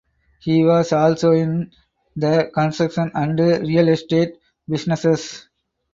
He was also in the construction and real estate businesses.